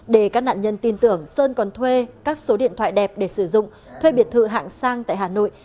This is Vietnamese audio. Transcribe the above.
để các nạn nhân tin tưởng sơn còn thuê các số điện thoại đẹp để sử dụng thuê biệt thự hạng sang tại hà nội